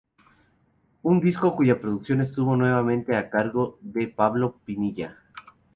Un disco cuya producción estuvo nuevamente a cargo de Pablo Pinilla.